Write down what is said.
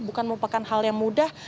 bukan merupakan hal yang mudah